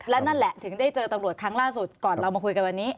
และนั่นแหละถึงได้เจอตำรวจครั้งล่าสุดก่อนเรามาคุยกันวันนี้